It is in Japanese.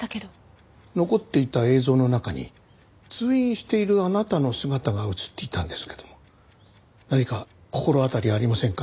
残っていた映像の中に通院しているあなたの姿が映っていたんですけども何か心当たりありませんか？